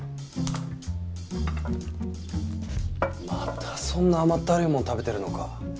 またそんな甘ったるいもん食べてるのか。